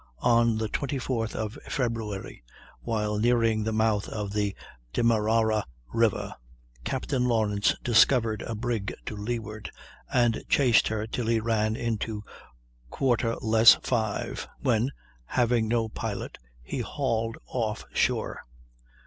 On the 24th of February, while nearing the mouth of the Demerara River, Captain Lawrence discovered a brig to leeward, and chased her till he ran into quarter less five, when, having no pilot, he hauled off shore.